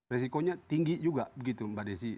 risikonya tinggi juga begitu mbak desy